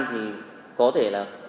thì có thể là